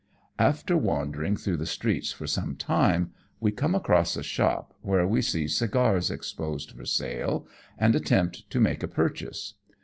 After wandering through the streets for some time, we come across a shop, where we see cigars exposed for sale, and attempt to make a purchase.